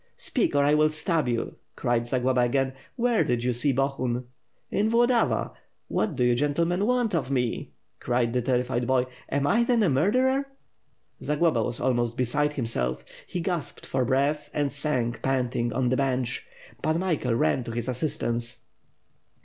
"Speak, or I will stab you!" cried Zagloba again. "Where did you see Bohun?" "In Vlodava. What do you gentlemen want of me," cried the terrified boy. "Am I then a murderer? ..." Zagloba was almost beside himself. He gasped for breath and sank panting on the bench. Pan Michael ran to his as sistance.